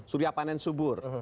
surya panen subur